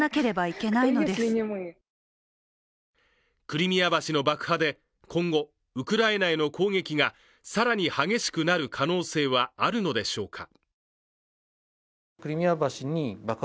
クリミア橋の爆破で今後、ウクライナへの攻撃が更に激しくなる可能性はあるのでしょうか。